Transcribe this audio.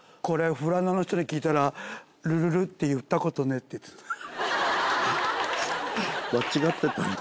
これ富良野の人に聞いたら「ルルル」って言ったことねえって言ってた。